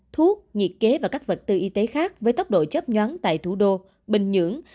thuốc nhiệt kế và các vật tư y tế khác với tốc độ chấp nhoáng tại thủ đô bình nhưỡng